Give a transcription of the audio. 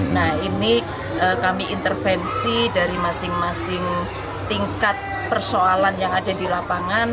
nah ini kami intervensi dari masing masing tingkat persoalan yang ada di lapangan